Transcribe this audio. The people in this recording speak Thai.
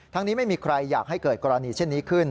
นี้ไม่มีใครอยากให้เกิดกรณีเช่นนี้ขึ้น